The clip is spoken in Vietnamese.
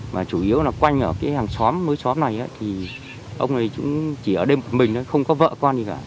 và chủ yếu là quanh ở hàng xóm mối xóm này thì ông này cũng chỉ ở đây một mình không có vợ con gì cả